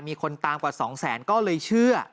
มีคนตามกว่า๒แสนก็เลยเชื่อ